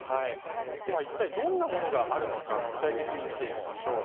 では一体どんなものがあるのか具体的に見ていきましょう。